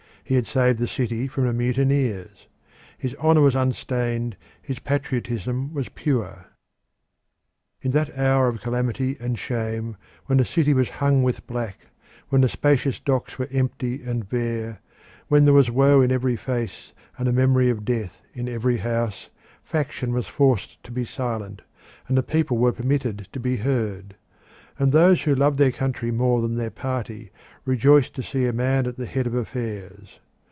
He had saved the city from the mutineers. His honour was unstained, his patriotism was pure. In that hour of calamity and shame, when the city was hung with black, when the spacious docks were empty and bare, when there was woe in every face and the memory of death in every house, faction was forced to be silent, and the people were permitted to be heard, and those who loved their country more than their party rejoiced to see a Man at the head of affairs.